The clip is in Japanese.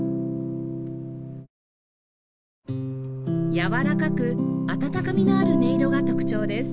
柔らかく温かみのある音色が特徴です